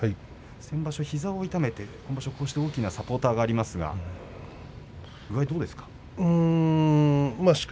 先場所は膝を痛めて今場所大きなサポーターがありますが具合はどうですか。